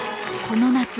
この夏